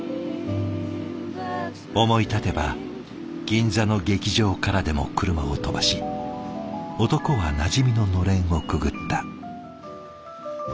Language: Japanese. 思い立てば銀座の劇場からでも車を飛ばし男はなじみののれんをくぐった。